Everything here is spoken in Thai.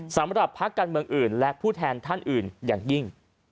สำหรับพักการเมืองอื่นและผู้แทนท่านอื่นอย่างยิ่ง